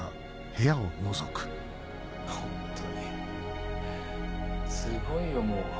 ホントにすごいよもう。